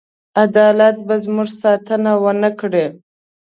عدالت به زموږ ساتنه ونه کړي.